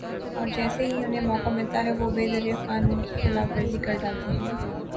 اور جیسے ہی انھیں موقع ملتا ہے وہ بے دریغ قانون کی خلاف ورزی کر ڈالتے ہیں